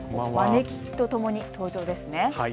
マネキンとともに登場ですね。